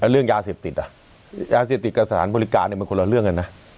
เรื่องยาเสพติดยาเสพติดกับสถานบริการมันคนละเรื่องกันนะ